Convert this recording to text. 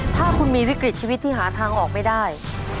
ถ้าคุณมีวิกฤตชีวิตที่หาทางออกไม่ได้